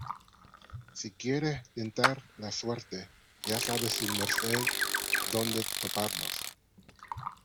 si quiere tentar la suerte, ya sabe su merced dónde toparnos.